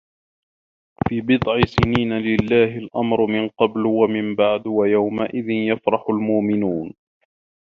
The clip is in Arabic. في بِضعِ سِنينَ لِلَّهِ الأَمرُ مِن قَبلُ وَمِن بَعدُ وَيَومَئِذٍ يَفرَحُ المُؤمِنونَ